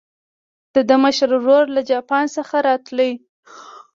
د ده مشر ورور له جاپان څخه راتللو.